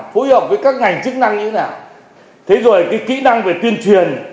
phối hợp với các ngành chức năng như thế nào thế rồi cái kỹ năng về tuyên truyền